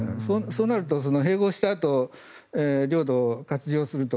そうなると、併合したあと領土を割譲すると。